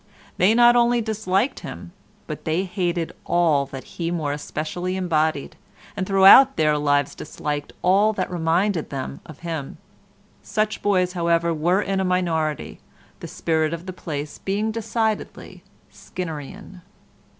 They not only disliked him, but they hated all that he more especially embodied, and throughout their lives disliked all that reminded them of him. Such boys, however, were in a minority, the spirit of the place being decidedly Skinnerian.